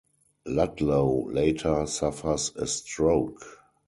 Ludlow later suffers a stroke.